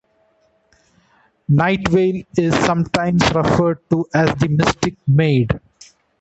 Nightveil is sometimes referred to as the Mystic Maid.